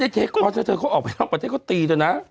เค้าออกไปนอกประเทศตีจนนะ